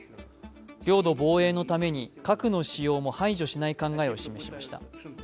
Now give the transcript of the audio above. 領土防衛のために核の使用も排除しない考えを示しました。